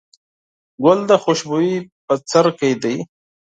ګل د خوشبويي بڅرکی دی.